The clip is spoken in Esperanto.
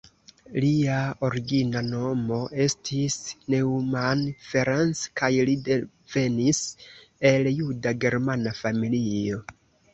Lia origina nomo estis Neumann Ferenc kaj li devenis el juda-germana familio.